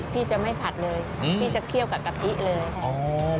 พี่จะไม่ผัดเลยพี่จะเคี่ยวกับกะทิเลยค่ะ